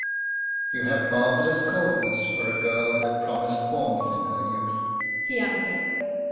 'You have marvellous coldness for a girl that promised warmth in her youth,' he answered.